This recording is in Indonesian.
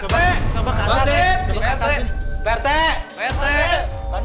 coba ke atas nih